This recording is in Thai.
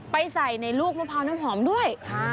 ใส่ในลูกมะพร้าวน้ำหอมด้วย